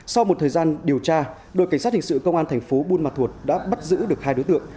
sau một thời gian điều tra đội cảnh sát hình sự công an thành phố buôn ma thuột đã bắt giữ được hai đối tượng